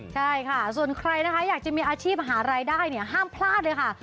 ใช่ค่ะส่วนใครนะคะอยากจะมีอาชีพหารายได้เนี่ยห้ามพลาดเลยค่ะ